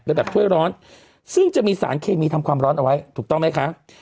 แบบถ้วยร้อนซึ่งจะมีสารเคมีทำความร้อนเอาไว้ถูกต้องไหมคะ